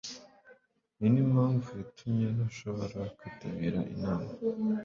Ninimpamvu yatumye ntashobora kwitabira inama